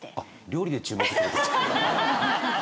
料理で注目？